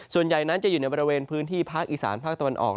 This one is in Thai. ส่วนใหญ่นั้นจะอยู่ในบริเวณพื้นที่ภาคอีสานภาคตะวันออก